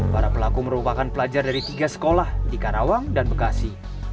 para pelaku merupakan pelajar dari tiga sekolah di karawang dan bekasi